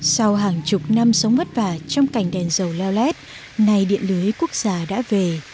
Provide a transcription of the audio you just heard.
sau hàng chục năm sống vất vả trong cảnh đèn dầu leo lét nay điện lưới quốc gia đã về